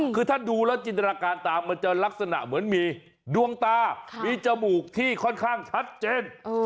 คือถ้าดูแล้วจินตนาการตามมันจะลักษณะเหมือนมีดวงตามีจมูกที่ค่อนข้างชัดเจน